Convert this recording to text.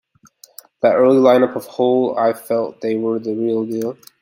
That early lineup of Hole-I felt they were the real deal.